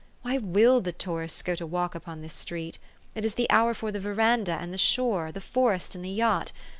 Why will the tourists go to walk upon this street? It is the hour for the veranda and the shore, the forest and the yacht.